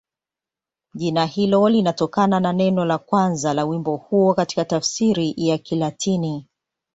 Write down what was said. Jina hilo linatokana na neno la kwanza la wimbo huo katika tafsiri ya Kilatini.